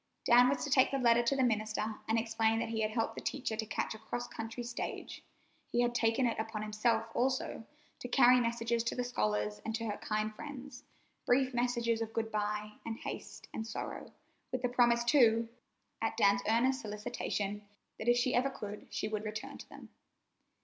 Dan was to take the letter to the minister, and explain that he had helped the teacher to catch a cross country stage. He had taken it upon himself, also, to carry messages to the scholars and to her kind friends—brief messages of good by, and haste, and sorrow; with the promise, too, at Dan's earnest solicitation, that if she ever could she would return to them.